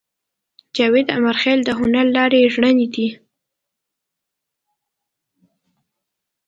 جاوید امیرخېل د هنر لارې رڼې دي